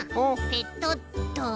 ペトッと。